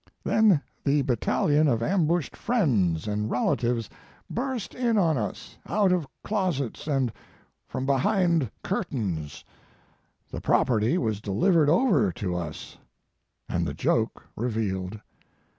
Then the battalion of ambushed friends and relatives burst in on us, out of closets and from behind curtains; the property was delivered over to us and the joke revealed.